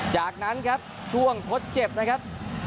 จากนั้นครับช่วงทดเจ็บนะครับ